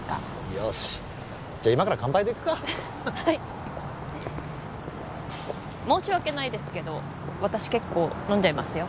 よしじゃ今から乾杯といくかはい申し訳ないですけど私結構飲んじゃいますよ